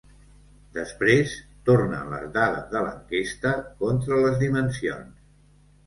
Després tornen les dades de l'enquesta contra les dimensions.